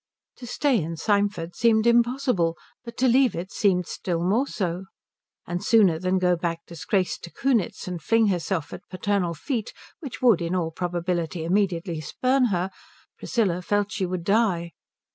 To stay in Symford seemed impossible, but to leave it seemed still more so. And sooner than go back disgraced to Kunitz and fling herself at paternal feet which would in all probability immediately spurn her, Priscilla felt she would die.